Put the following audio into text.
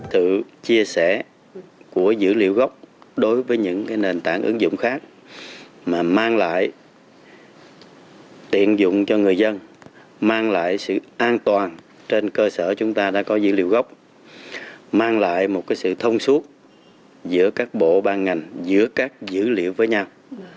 tự chia sẻ của dữ liệu gốc đối với những nền tảng ứng dụng khác mà mang lại tiện dụng cho người dân mang lại sự an toàn trên cơ sở chúng ta đã có dữ liệu gốc mang lại một sự thông suốt giữa các bộ ban ngành giữa các dữ liệu với nhau